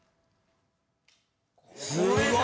すごい！